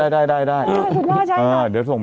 ได้สุดว่าใช่ครับ